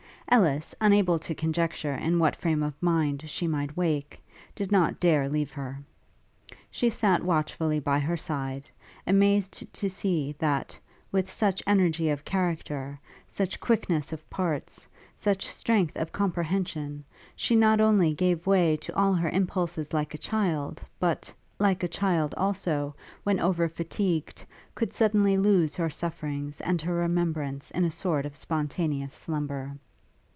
Ellis, unable to conjecture in what frame of mind she might wake, did not dare leave her. She sat watchfully by her side, amazed to see, that, with such energy of character, such quickness of parts, such strength of comprehension, she not only gave way to all her impulses like a child, but, like a child, also, when over fatigued, could suddenly lose her sufferings and her remembrance in a sort of spontaneous slumber.